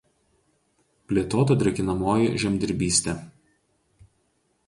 Plėtota drėkinamoji žemdirbystė.